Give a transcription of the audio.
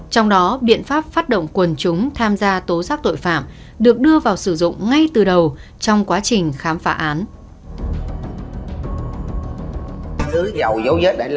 trong đó biện pháp phát động quần chúng tham gia tố giác tội phạm được đưa vào sử dụng ngay từ đầu trong quá trình khám phá án